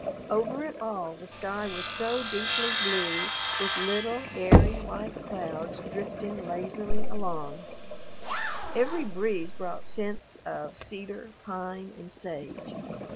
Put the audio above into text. Over it all the sky was so deeply blue, with little, airy, white clouds drifting lazily along. Every breeze brought scents of cedar, pine, and sage.